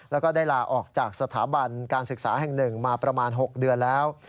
แล้วก็ได้ลาออกจากสถาบันการศึกษาแห่ง๑มาประมาณ๖เดือนแล้ว